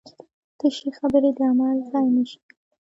تشې خبرې د عمل ځای نشي نیولی.